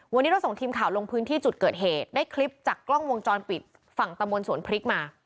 วันนี้เราส่งทีมข่าวลงพื้นที่จุดเกิดเหตุได้คลิปจากกล้องวงจรปิดฝั่งตะมนต์สวนพริกมา